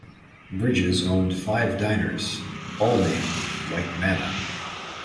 Bridges owned five diners, all named "White Manna".